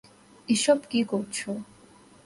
এসব কী করছো?